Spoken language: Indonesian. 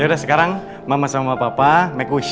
yaudah sekarang mama sama papa make a wish